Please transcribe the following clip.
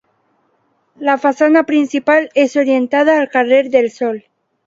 La façana principal és orientada al carrer del Sol.